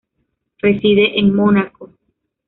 Reside en Mónaco.